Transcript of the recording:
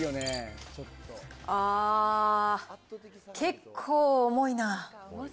あー、結構重いな。